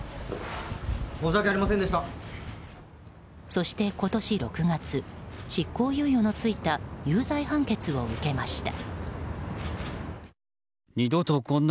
そして、今年６月執行猶予の付いた有罪判決を受けました。